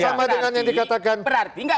sama dengan yang dikatakan ketua kpu itu kan